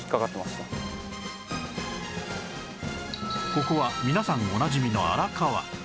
ここは皆さんおなじみの荒川